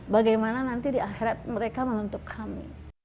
bagaimana nanti di akhirat mereka menuntut kami